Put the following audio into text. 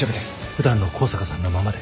普段の向坂さんのままで。